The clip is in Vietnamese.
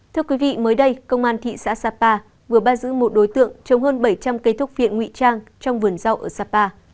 thưa quý vị mới đây công an thị xã sapa vừa bắt giữ một đối tượng trồng hơn bảy trăm linh cây thuốc viện ngụy trang trong vườn rau ở sapa